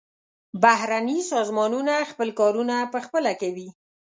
بهرني سازمانونه خپل کارونه پخپله کوي.